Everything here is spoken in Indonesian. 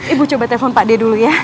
ibu coba telepon pak d dulu ya